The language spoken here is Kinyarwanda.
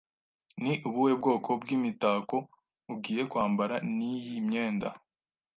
Ni ubuhe bwoko bw'imitako ugiye kwambara niyi myenda?